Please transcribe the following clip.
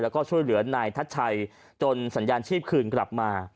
แล้วก็ช่วยเหลือนายทัชชัยจนสัญญาณชีพคืนกลับมา